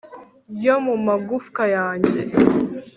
ryo mu magufwa yanjye